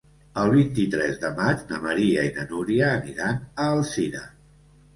El vint-i-tres de maig na Maria i na Núria aniran a Alzira.